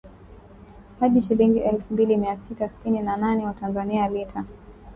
hadi shilingi elfu mbili mia sita sitini na nane za Tanzania kwa lita